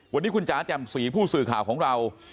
วันนี้คุณจ๋าแจ่มสีผู้สื่อข่าวของเรา